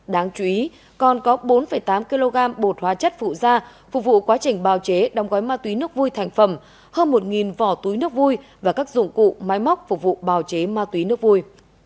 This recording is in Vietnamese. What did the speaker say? đáng chú ý còn có bốn tám kg bột hóa chất phụ da phục vụ quá trình bào chế đong gói ma túy nước vui thành phẩm hơn một vỏ túy nước vui và các dụng cụ máy móc phục vụ bào chế ma túy nước vui